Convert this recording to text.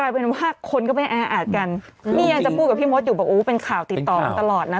โอ้เป็นข่าวติดต่อตลอดเนี่ยท่อธิฮะ